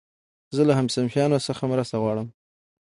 زه له همصنفيانو څخه مرسته غواړم.